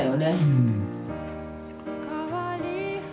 うん。